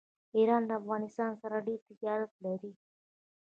ایران له افغانستان سره ډیر تجارت لري.